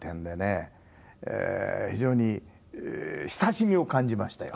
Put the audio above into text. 非常に親しみを感じましたよ。